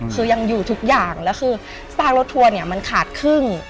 คือยังอยู่ทุกอย่างแล้วคือซากรถทัวร์เนี่ยมันขาดครึ่ง